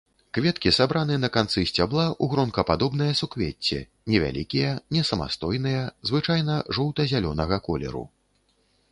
Кветкі сабраны на канцы сцябла ў гронкападобнае суквецце, невялікія, несамастойныя, звычайна жоўта-зялёнага колеру.